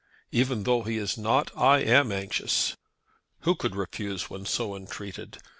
"Even though he is not, I am anxious." "Who could refuse when so entreated?